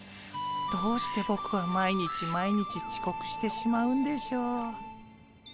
どうしてボクは毎日毎日ちこくしてしまうんでしょう？